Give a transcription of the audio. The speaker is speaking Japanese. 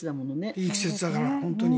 いい季節だから、本当に。